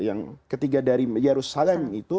yang ketiga dari yerusalem itu